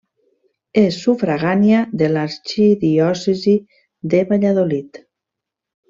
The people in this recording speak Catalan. És sufragània de l'arxidiòcesi de Valladolid.